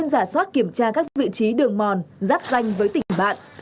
giả soát kiểm tra các vị trí đường mòn giáp danh với tỉnh bạn